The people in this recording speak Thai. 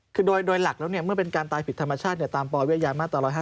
คือโดยหลักแล้วเนี่ยเมื่อเป็นการตายผิดธรรมชาติเนี่ยตามปวิญญาณมาตร๑๕๐